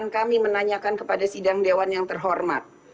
kami menanyakan kepada sidang dewan yang terhormat